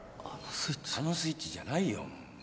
「あのスイッチ」じゃないよ。